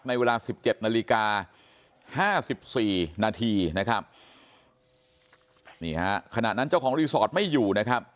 ในเวลา๑๗น๕๔นนี่ขณะนั้นเจ้าของรีสอร์ทไม่อยู่